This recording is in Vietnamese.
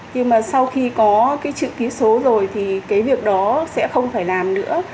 nhưng mà sau khi có cái chữ ký số rồi thì cái việc đó sẽ không phải làm nữa